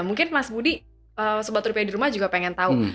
mungkin mas budi sebatornya di rumah juga pengen tahu